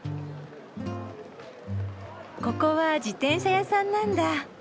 ここは自転車屋さんなんだ。